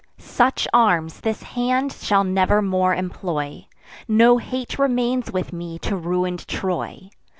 Such arms this hand shall never more employ; No hate remains with me to ruin'd Troy.